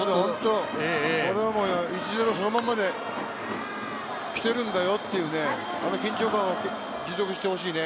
１対０そのまんまで来てるんだよっていう、緊張感を持続してほしいね。